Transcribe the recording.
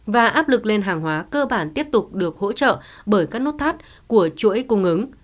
và áp lực lên hàng hóa cơ bản tiếp tục được hỗ trợ bởi các nút thắt của chuỗi cung ứng